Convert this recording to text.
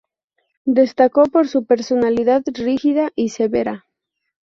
Destacó por su personalidad rígida y severa.